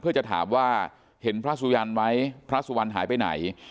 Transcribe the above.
เพื่อจะถามว่าเห็นพระสุยันไหมพระสุวรรณหายไปไหน